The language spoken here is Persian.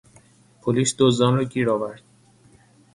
پلیس دزدان را گیر آورد.